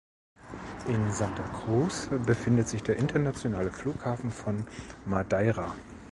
In Santa Cruz befindet sich der internationale Flughafen von Madeira.